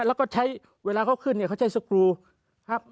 แล้วก็ใช้เวลาเขาขึ้นเนี่ยเขาใช้สกรูครับ